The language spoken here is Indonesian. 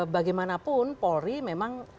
bagaimanapun polri memang